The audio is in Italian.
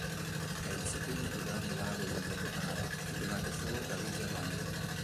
È il secondo più grande lago del Guatemala, superato solo dall'Izabal.